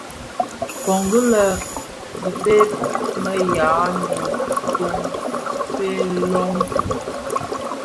Nkongi lè bidheb më jaň i kiton fee loňkin.